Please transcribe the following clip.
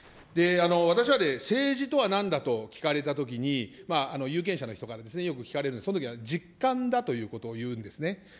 私は、政治とはなんだと聞かれたときに、有権者の人からですね、よく聞かれるんですけど、そういうときは実感だということを言うんですね。